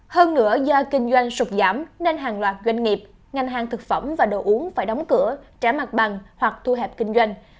hơn nữa do kinh doanh sụp giảm nên hàng loạt doanh nghiệp ngành hàng thực phẩm và đồ uống phải đóng cửa trả mặt bằng hoặc thu hẹp kinh doanh